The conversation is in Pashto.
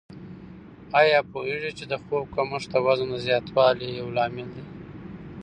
آیا پوهېږئ چې د خوب کمښت د وزن د زیاتوالي یو لامل دی؟